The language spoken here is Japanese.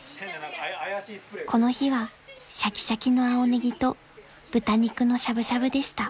［この日はシャキシャキの青ネギと豚肉のしゃぶしゃぶでした］